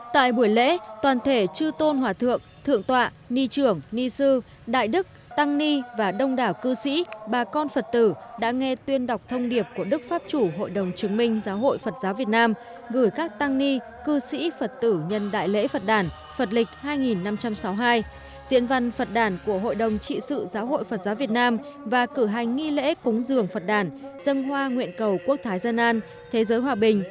tại buổi lễ toàn thể chư tôn hòa thượng thượng tọa ni trưởng ni sư đại đức tăng ni và đông đảo cư sĩ bà con phật tử đã nghe tuyên đọc thông điệp của đức pháp chủ hội đồng chứng minh giáo hội phật giáo việt nam gửi các tăng ni cư sĩ phật tử nhân đại lễ phật đàn phật lịch hai nghìn năm trăm sáu mươi hai diễn văn phật đàn của hội đồng trị sự giáo hội phật giáo việt nam và cử hành nghi lễ cúng dường phật đàn dân hoa nguyện cầu quốc thái gian an thế giới hòa biển